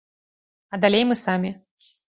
А далей мы самі.